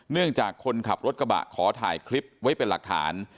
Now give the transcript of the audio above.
เนื่องจากคนขับรถกระบะขอถ่ายคลิปไว้เป็นหลักฐาน